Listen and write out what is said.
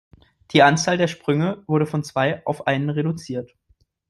Die Anzahl der Sprünge wurde von zwei auf einen reduziert.